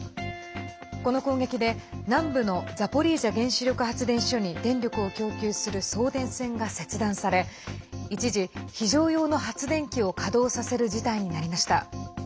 この攻撃で、南部のザポリージャ原子力発電所に電力を供給する送電線が切断され一時、非常用の発電機を稼働させる事態になりました。